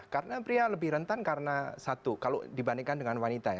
karena pria lebih rentan karena satu kalau dibandingkan dengan wanita ya